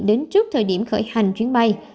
đến trước thời điểm khởi hành chuyến bay